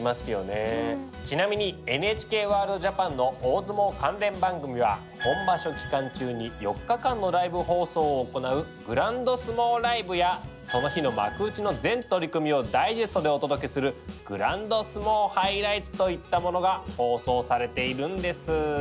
ちなみに「ＮＨＫワールドＪＡＰＡＮ」の大相撲関連番組は本場所期間中に４日間のライブ放送を行う「ＧＲＡＮＤＳＵＭＯＬＩＶＥ」やその日の幕内の全取組をダイジェストでお届けする「ＧＲＡＮＤＳＵＭＯＨｉｇｈｌｉｇｈｔｓ」といったものが放送されているんです。